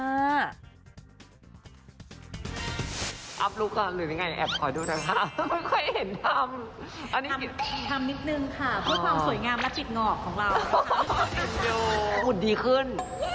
อัพรูปก่อนหรือยังไงแอบขอดูนะคะไม่ค่อยเห็นทำอันนี้ผิดทำนิดนึงค่ะเพื่อความสวยงามและปิดหงอกของเราหุ่นดีขึ้น